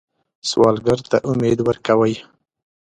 سوالګر ته امید ورکوئ